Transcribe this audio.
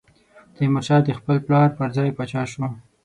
تیمورشاه د خپل پلار پر ځای پاچا شو.